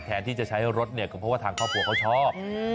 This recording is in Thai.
แทนที่จะใช้รถเนี่ยก็เพราะว่าทางครอบครัวเขาชอบ